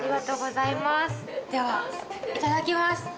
ではいただきます。